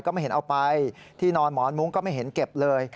ไม่เห็นเอาไปที่นอนหมอนมุ้งก็ไม่เห็นเก็บเลย